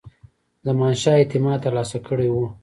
زمانشاه اعتماد ترلاسه کړی وو.